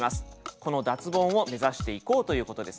この脱ボンを目指していこうということですね。